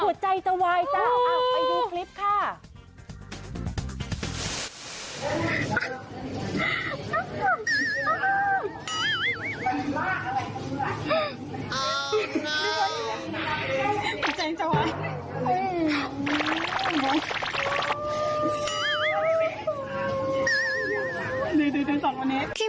อยู่ดีทำตรงสามนักการหัวใจจะไหวจ้า